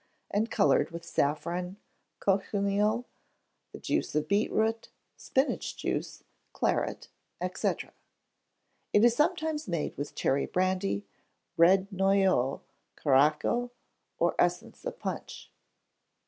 and coloured with saffron, cochineal, the juice of beetroot, spinach juice, claret, &c. It is sometimes made with cherry brandy, red noyeau, curaçao, or essence of punch.